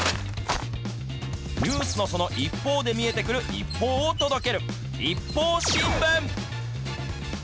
ニュースのその一方で見えてくる一報を届ける、ＩＰＰＯＵ新聞。